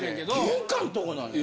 玄関のとこなんや？